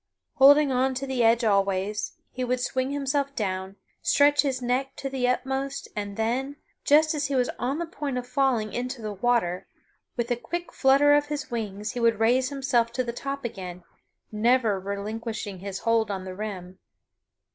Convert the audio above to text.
Holding on to the edge always, he would swing himself down, stretch his neck to the utmost, and then, just as he was on the point of falling into the water, with a quick flutter of his wings he would raise himself to the top again, never relinquishing his hold on the rim.